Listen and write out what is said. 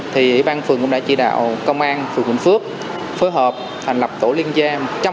thì băng phường cũng đã chỉ đạo công an phường quỳnh phước phối hợp thành lập tổ liên gia một trăm linh